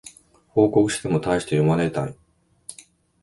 報告してもたいして読まれない